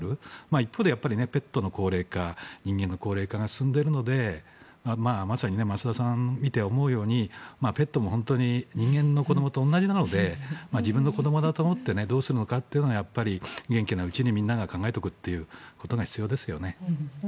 一方でペットの高齢化人間の高齢化が進んでいるのでまさに増田さんを見て思うようにペットも本当に人間の子どもと同じなので自分の子どもだと思ってどうするのかというのを元気なうちに、みんなが考えておくということが必要ですよね。